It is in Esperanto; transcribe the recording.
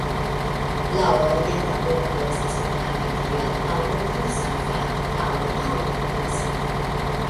La orienta bordo estas konata kiel Al-Rusafa aŭ Al-Rasafa.